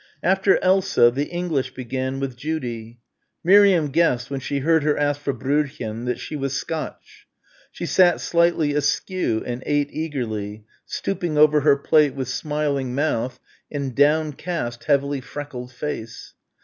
After Elsa the "English" began with Judy. Miriam guessed when she heard her ask for Brödchen that she was Scotch. She sat slightly askew and ate eagerly, stooping over her plate with smiling mouth and downcast heavily freckled face.